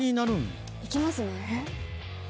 いきますね。